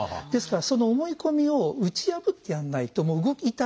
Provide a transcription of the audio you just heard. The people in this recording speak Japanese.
ですからその思い込みを打ち破ってやらないと動き